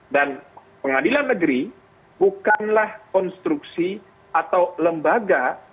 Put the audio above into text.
dan pengadilan negeri bukanlah konstruksi atau lembaga